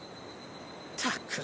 ったく。